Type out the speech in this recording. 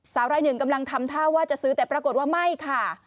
รายหนึ่งกำลังทำท่าว่าจะซื้อแต่ปรากฏว่าไม่ค่ะ